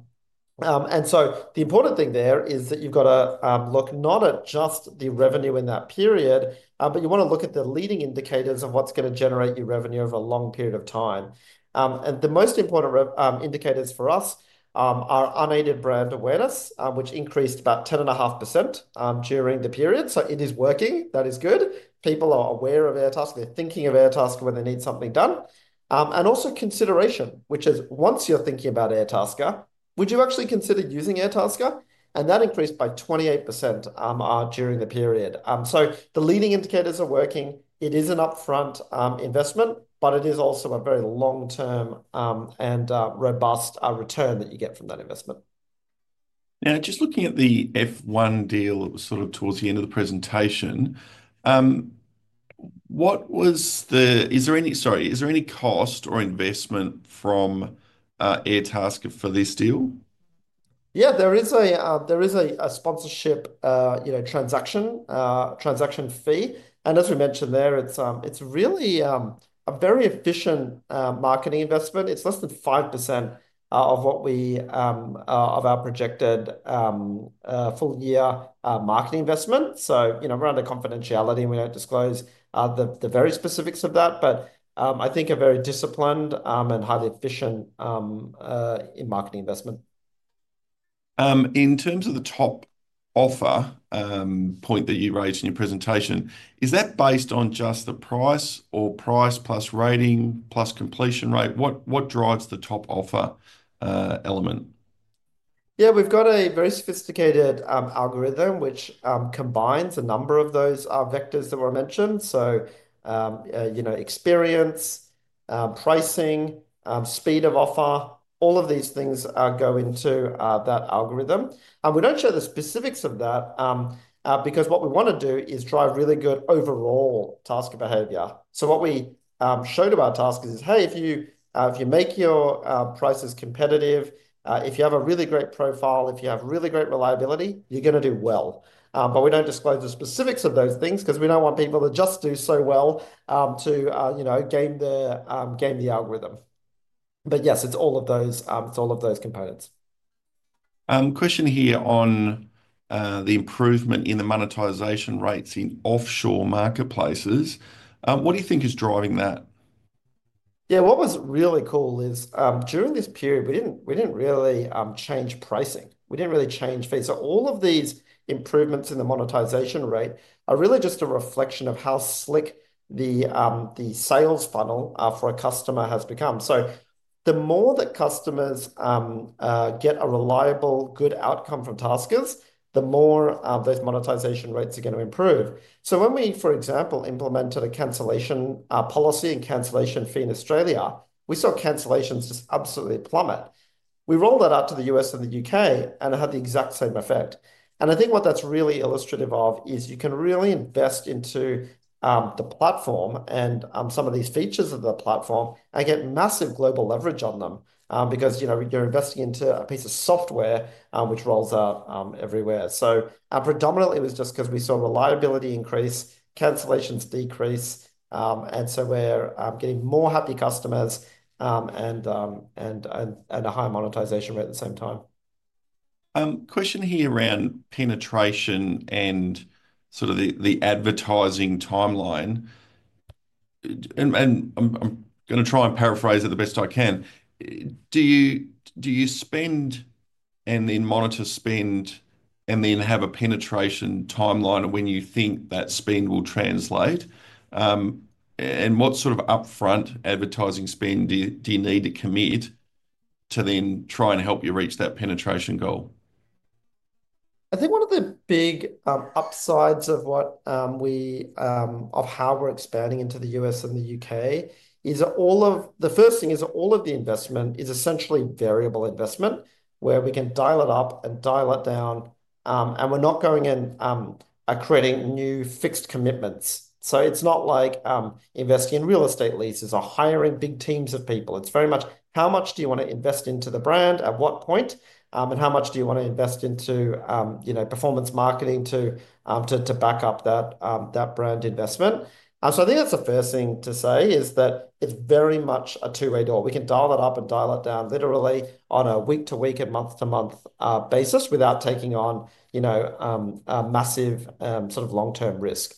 important thing there is that you've got to look not at just the revenue in that period, but you want to look at the leading indicators of what's going to generate your revenue over a long period of time. The most important indicators for us are unaided brand awareness, which increased about 10.5% during the period. It is working. That is good. People are aware of Airtasker. They're thinking of Airtasker when they need something done. Also, consideration, which is once you're thinking about Airtasker, would you actually consider using Airtasker? That increased by 28% during the period. The leading indicators are working. It is an upfront investment, but it is also a very long-term and robust return that you get from that investment. Now, just looking at the F1 deal sort of towards the end of the presentation, is there any cost or investment from Airtasker for this deal? Yeah, there is a sponsorship transaction fee. As we mentioned there, it's really a very efficient marketing investment. It's less than 5% of our projected full-year marketing investment. We're under confidentiality, and we don't disclose the very specifics of that. I think a very disciplined and highly efficient marketing investment. In terms of the top offer point that you raised in your presentation, is that based on just the price or price plus rating plus completion rate? What drives the top offer element? Yeah, we've got a very sophisticated algorithm which combines a number of those vectors that were mentioned. Experience, pricing, speed of offer, all of these things go into that algorithm. We don't show the specifics of that because what we want to do is drive really good overall tasker behavior. What we show to our tasker is, "Hey, if you make your prices competitive, if you have a really great profile, if you have really great reliability, you're going to do well." We don't disclose the specifics of those things because we don't want people to just do so well to game the algorithm. Yes, it's all of those components. Question here on the improvement in the monetization rates in offshore marketplaces. What do you think is driving that? Yeah, what was really cool is during this period, we didn't really change pricing. We didn't really change fees. All of these improvements in the monetization rate are really just a reflection of how slick the sales funnel for a customer has become. The more that customers get a reliable, good outcome from taskers, the more those monetization rates are going to improve. When we, for example, implemented a cancellation policy and cancellation fee in Australia, we saw cancellations just absolutely plummet. We rolled that out to the U.S. and the U.K. and had the exact same effect. I think what that's really illustrative of is you can really invest into the platform and some of these features of the platform and get massive global leverage on them because you're investing into a piece of software which rolls out everywhere. Predominantly, it was just because we saw reliability increase, cancellations decrease, and so we're getting more happy customers and a higher monetization rate at the same time. Question here around penetration and sort of the advertising timeline. I'm going to try and paraphrase it the best I can. Do you spend and then monitor spend and then have a penetration timeline when you think that spend will translate? What sort of upfront advertising spend do you need to commit to then try and help you reach that penetration goal? I think one of the big upsides of how we're expanding into the U.S. and the U.K. is all of the first thing is all of the investment is essentially variable investment where we can dial it up and dial it down, and we're not going and creating new fixed commitments. It's not like investing in real estate leases or hiring big teams of people. It's very much how much do you want to invest into the brand, at what point, and how much do you want to invest into performance marketing to back up that brand investment. I think that's the first thing to say is that it's very much a two-way door. We can dial it up and dial it down literally on a week-to-week and month-to-month basis without taking on massive sort of long-term risk.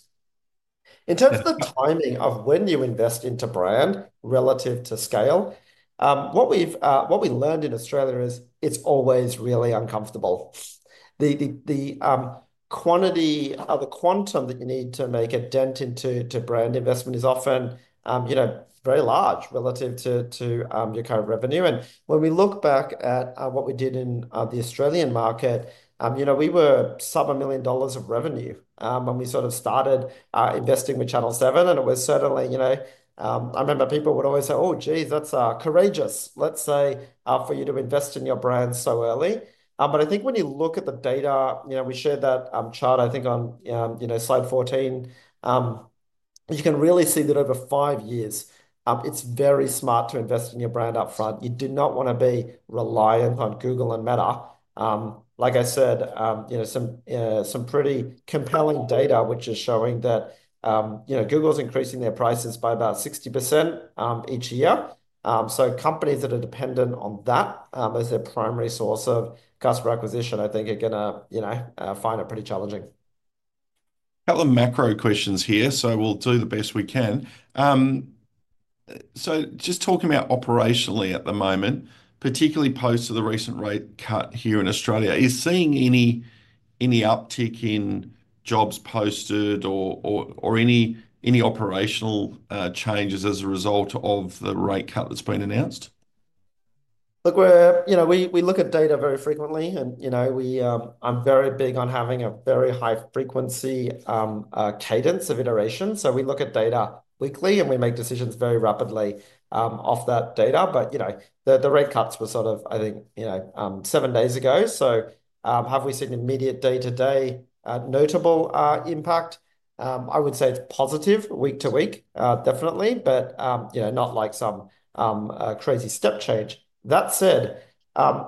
In terms of the timing of when you invest into brand relative to scale, what we learned in Australia is it's always really uncomfortable. The quantum that you need to make a dent into brand investment is often very large relative to your current revenue. When we look back at what we did in the Australian market, we were sub 1 million dollars of revenue when we sort of started investing with Channel 7. I remember people would always say, "Oh, geez, that's courageous, let's say, for you to invest in your brand so early." I think when you look at the data, we shared that chart, I think, on slide 14, you can really see that over five years, it's very smart to invest in your brand upfront. You do not want to be reliant on Google and Meta. Like I said, some pretty compelling data which is showing that Google is increasing their prices by about 60% each year. Companies that are dependent on that as their primary source of customer acquisition, I think, are going to find it pretty challenging. Couple of macro questions here, so we'll do the best we can. Just talking about operationally at the moment, particularly post to the recent rate cut here in Australia, are you seeing any uptick in jobs posted or any operational changes as a result of the rate cut that's been announced? Look, we look at data very frequently, and I'm very big on having a very high-frequency cadence of iteration. We look at data weekly, and we make decisions very rapidly off that data. The rate cuts were sort of, I think, seven days ago. Have we seen immediate day-to-day notable impact? I would say it's positive week to week, definitely, but not like some crazy step change. That said,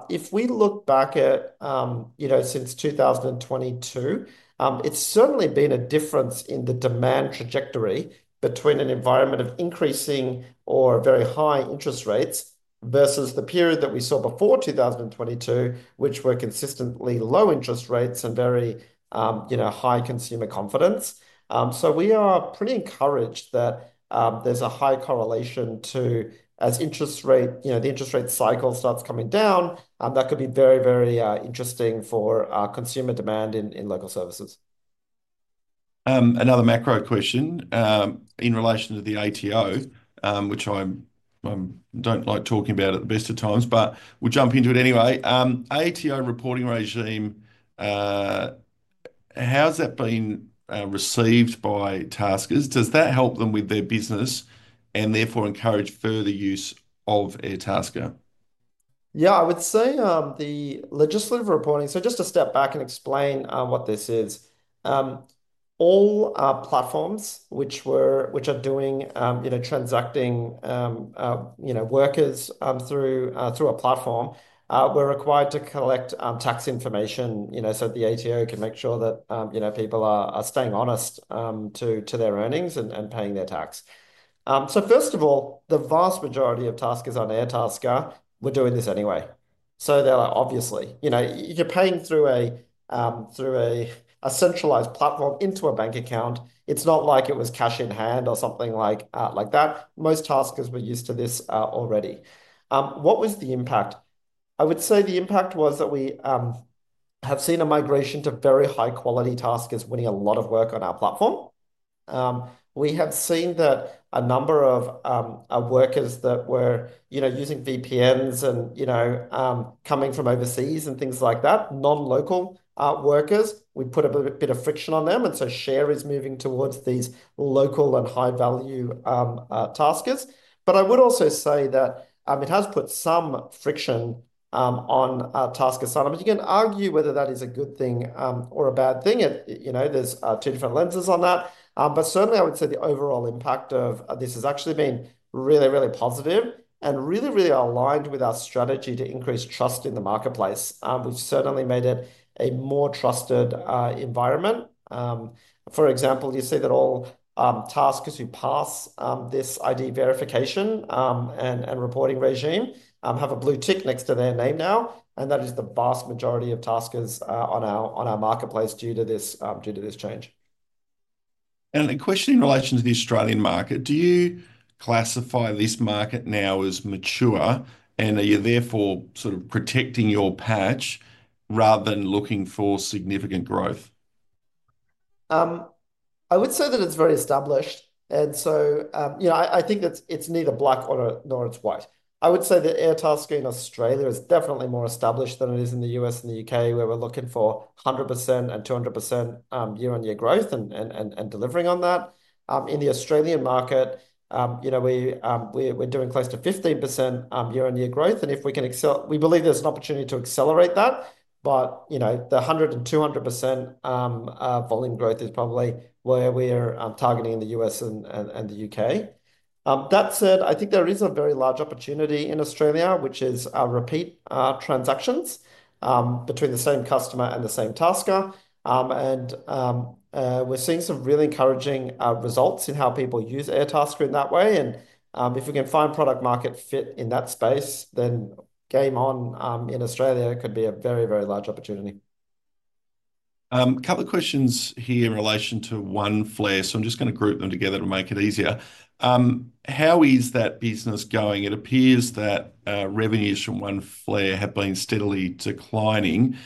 if we look back at since 2022, it's certainly been a difference in the demand trajectory between an environment of increasing or very high interest rates versus the period that we saw before 2022, which were consistently low interest rates and very high consumer confidence. We are pretty encouraged that there's a high correlation to as the interest rate cycle starts coming down, that could be very, very interesting for consumer demand in local services. Another macro question in relation to the ATO, which I don't like talking about at the best of times, but we'll jump into it anyway. ATO reporting regime, how has that been received by taskers? Does that help them with their business and therefore encourage further use of Airtasker? I would say the legislative reporting so just to step back and explain what this is. All platforms which are doing transacting workers through a platform were required to collect tax information so the ATO can make sure that people are staying honest to their earnings and paying their tax. First of all, the vast majority of taskers on Airtasker were doing this anyway. They're like, "Obviously." You're paying through a centralized platform into a bank account. It's not like it was cash in hand or something like that. Most taskers were used to this already. What was the impact? I would say the impact was that we have seen a migration to very high-quality taskers winning a lot of work on our platform. We have seen that a number of workers that were using VPNs and coming from overseas and things like that, non-local workers, we put a bit of friction on them. Share is moving towards these local and high-value taskers. I would also say that it has put some friction on taskers' salaries. You can argue whether that is a good thing or a bad thing. There are two different lenses on that. Certainly, I would say the overall impact of this has actually been really, really positive and really, really aligned with our strategy to increase trust in the marketplace, which certainly made it a more trusted environment. For example, you see that all taskers who pass this ID verification and reporting regime have a blue tick next to their name now. That is the vast majority of taskers on our marketplace due to this change. The question in relation to the Australian market, do you classify this market now as mature? Are you therefore sort of protecting your patch rather than looking for significant growth? I would say that it's very established. I think it's neither black nor it's white. I would say that Airtasker in Australia is definitely more established than it is in the U.S. and the U.K., where we're looking for 100% and 200% year-on-year growth and delivering on that. In the Australian market, we're doing close to 15% year-on-year growth. If we can accelerate, we believe there's an opportunity to accelerate that. The 100% and 200% volume growth is probably where we are targeting in the U.S. and the U.K. That said, I think there is a very large opportunity in Australia, which is repeat transactions between the same customer and the same tasker. We're seeing some really encouraging results in how people use Airtasker in that way. If we can find product-market fit in that space, then game on in Australia could be a very, very large opportunity. Couple of questions here in relation to Oneflare. I'm just going to group them together to make it easier. How is that business going? It appears that revenues from Oneflare have been steadily declining.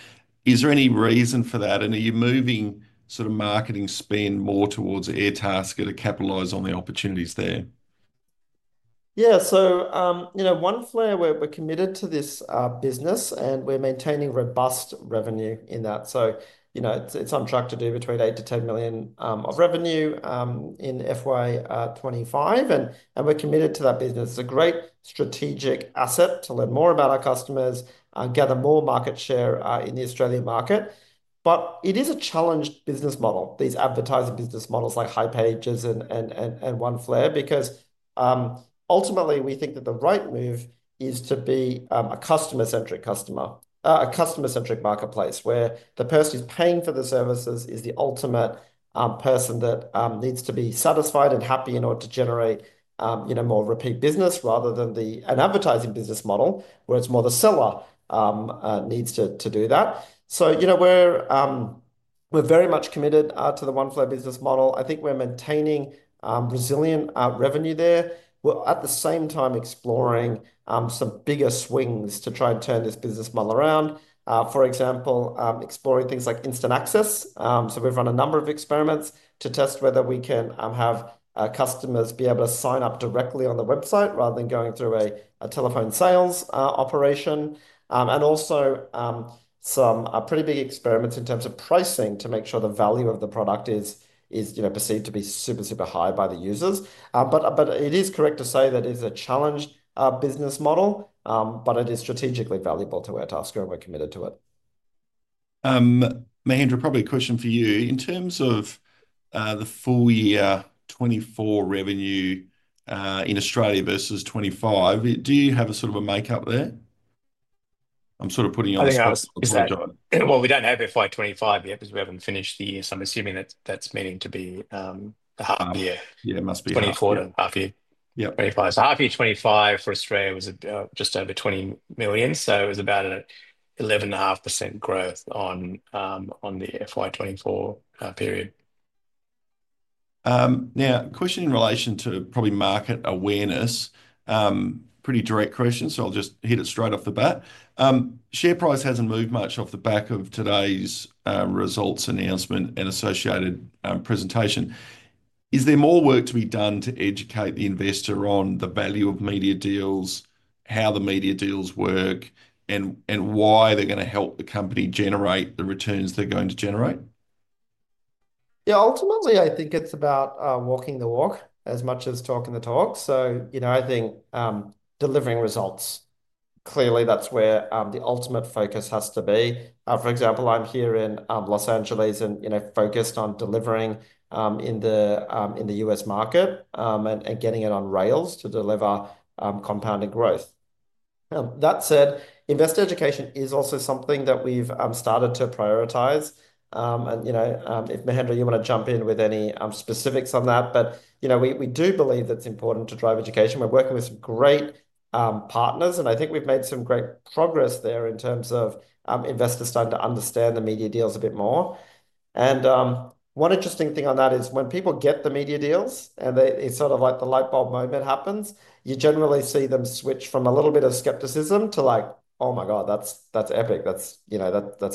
Is there any reason for that? Are you moving sort of marketing spend more towards Airtasker to capitalize on the opportunities there? Yeah. Oneflare, we're committed to this business, and we're maintaining robust revenue in that. It's on track to do between 8 million-10 million of revenue in FY 2025. We're committed to that business. It's a great strategic asset to learn more about our customers, gather more market share in the Australian market. It is a challenged business model, these advertising business models like hipages and Oneflare, because ultimately, we think that the right move is to be a customer-centric marketplace where the person who's paying for the services is the ultimate person that needs to be satisfied and happy in order to generate more repeat business rather than an advertising business model where it's more the seller needs to do that. We are very much committed to the Oneflare business model. I think we're maintaining resilient revenue there. We are at the same time exploring some bigger swings to try and turn this business model around. For example, exploring things like instant access. We have run a number of experiments to test whether we can have customers be able to sign up directly on the website rather than going through a telephone sales operation. Also, some pretty big experiments in terms of pricing to make sure the value of the product is perceived to be super, super high by the users. It is correct to say that it is a challenged business model, but it is strategically valuable to Airtasker and we're committed to it. Mahendra, probably a question for you. In terms of the full year 2024 revenue in Australia versus 2025, do you have a sort of a makeup there? I'm sort of putting you on the spot for the job. We don't have FY 2025 yet because we haven't finished the year. I'm assuming that that's meaning to be the half year. Yeah, it must be half year. Yeah, 2025. Half year 2025 for Australia was just over 20 million. It was about an 11.5% growth on the FY 2024 period. Now, question in relation to probably market awareness, pretty direct question, so I'll just hit it straight off the bat. Share price hasn't moved much off the back of today's results announcement and associated presentation. Is there more work to be done to educate the investor on the value of media deals, how the media deals work, and why they're going to help the company generate the returns they're going to generate? Yeah, ultimately, I think it's about walking the walk as much as talking the talk. So I think delivering results, clearly, that's where the ultimate focus has to be. For example, I'm here in Los Angeles and focused on delivering in the U.S. market and getting it on rails to deliver compounding growth. That said, investor education is also something that we've started to prioritize. And if Mahendra, you want to jump in with any specifics on that. We do believe that it's important to drive education. We're working with some great partners, and I think we've made some great progress there in terms of investors starting to understand the media deals a bit more. One interesting thing on that is when people get the media deals and it's sort of like the light bulb moment happens, you generally see them switch from a little bit of skepticism to like, "Oh my God, that's epic. That's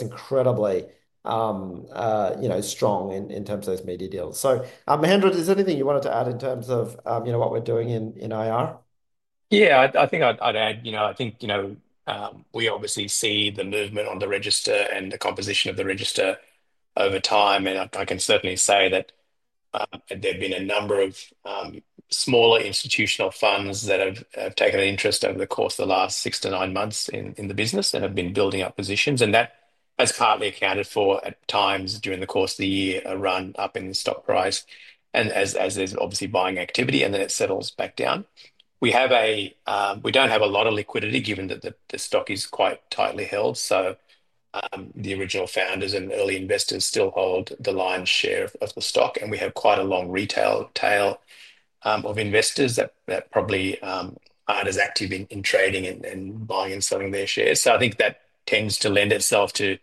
incredibly strong in terms of those media deals." Mahendra, is there anything you wanted to add in terms of what we're doing in IR? Yeah, I think I'd add, I think we obviously see the movement on the register and the composition of the register over time. I can certainly say that there have been a number of smaller institutional funds that have taken an interest over the course of the last six to nine months in the business and have been building up positions. That has partly accounted for at times during the course of the year a run up in the stock price as there's obviously buying activity, and then it settles back down. We do not have a lot of liquidity given that the stock is quite tightly held. The original founders and early investors still hold the lion's share of the stock. We have quite a long retail tail of investors that probably are not as active in trading and buying and selling their shares. I think that tends to lend itself to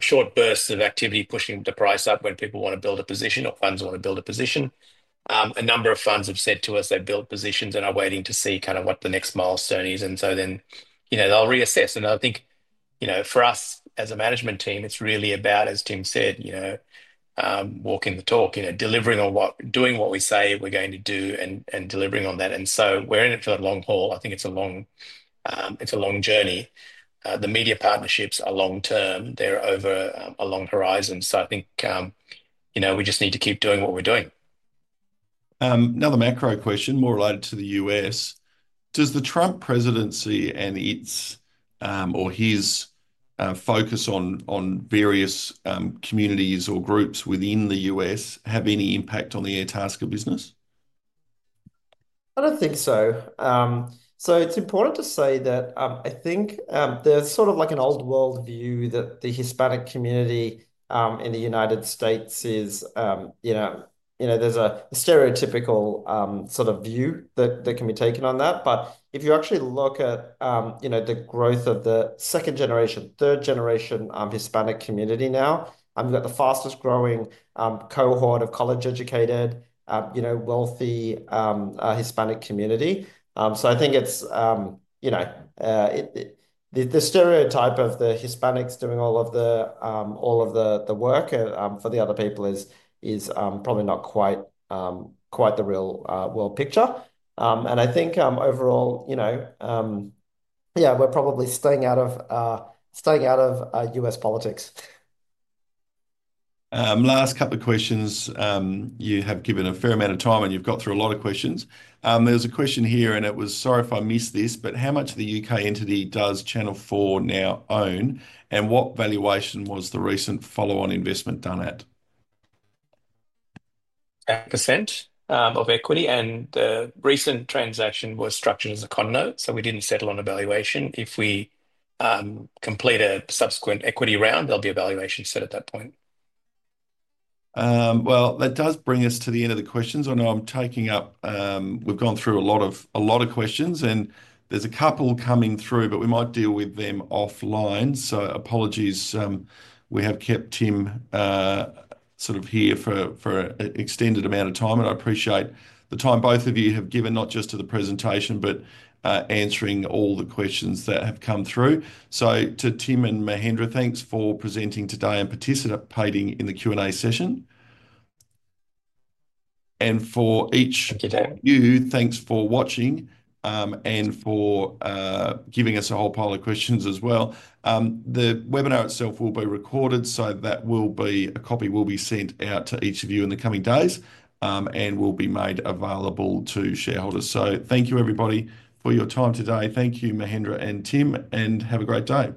short bursts of activity pushing the price up when people want to build a position or funds want to build a position. A number of funds have said to us they've built positions and are waiting to see kind of what the next milestone is. Then they'll reassess. I think for us as a management team, it's really about, as Tim said, walking the talk, delivering on what we say we're going to do and delivering on that. We're in it for the long haul. I think it's a long journey. The media partnerships are long-term. They're over a long horizon. I think we just need to keep doing what we're doing. Another macro question, more related to the U.S. Does the Trump presidency and his focus on various communities or groups within the U.S. have any impact on the Airtasker business? I don't think so. It's important to say that I think there's sort of like an old worldview that the Hispanic community in the United States is there's a stereotypical sort of view that can be taken on that. If you actually look at the growth of the second generation, third generation Hispanic community now, we've got the fastest growing cohort of college-educated, wealthy Hispanic community. I think the stereotype of the Hispanics doing all of the work for the other people is probably not quite the real world picture. I think overall, yeah, we're probably staying out of U.S. politics. Last couple of questions. You have given a fair amount of time and you've got through a lot of questions. There's a question here, and it was, "Sorry if I missed this, but how much of the U.K. entity does Channel 4 now own? And what valuation was the recent follow-on investment done at?" of equity. The recent transaction was structured as a condo. We did not settle on a valuation. If we complete a subsequent equity round, there will be a valuation set at that point. That does bring us to the end of the questions. I know I'm taking up—we have gone through a lot of questions, and there are a couple coming through, but we might deal with them offline. Apologies. We have kept Tim sort of here for an extended amount of time, and I appreciate the time both of you have given, not just to the presentation, but answering all the questions that have come through. To Tim and Mahendra, thanks for presenting today and participating in the Q&A session. For each of you, thanks for watching and for giving us a whole pile of questions as well. The webinar itself will be recorded, so that copy will be sent out to each of you in the coming days and will be made available to shareholders. Thank you, everybody, for your time today. Thank you, Mahendra and Tim, and have a great day.